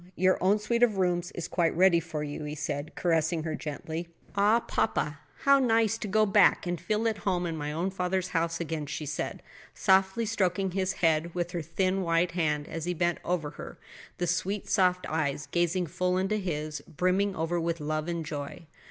Your own suite of rooms is quite ready for you," he said, caressing her tenderly. "Ah, papa, how nice to go back and feel at home in my own father's house again," she said, softly stroking his head with her thin white hand as he bent over her, the sweet soft eyes, gazing full into his, brimming over with love and joy.